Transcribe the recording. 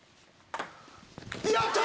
やった！